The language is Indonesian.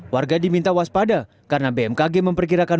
warga diminta waspada karena bmkg memperkirakan